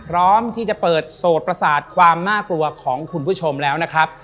พร้อมที่จะเปิดโสดประสาทความน่ากลัวของคุณผู้ชมแล้วนะครับ